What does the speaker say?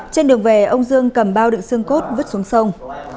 trên đường về ông dương cầm bao đựng xương cốt vứt xuống sông